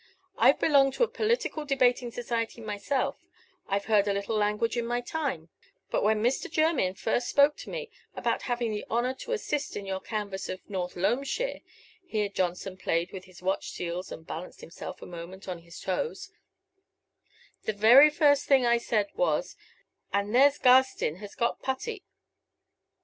I've belonged to a political debating society myself; I've heard a little language in my time; but when Mr. Jermyn first spoke to me about having the honor to assist in your canvass of North Loamshire" here Johnson played with his watch seals and balanced himself a moment on his toes "the very first thing I said was, 'And there's Garstin has got Putty!